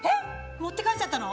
持って帰っちゃったの？